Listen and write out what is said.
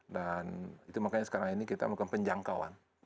dan itu makanya sekarang ini kita bukan penjangkauan